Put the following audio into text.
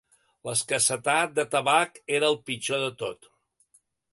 L'escassetat de tabac era el pitjor de tot.